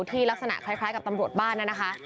ลักษณะคล้ายกับตำรวจบ้านนะคะ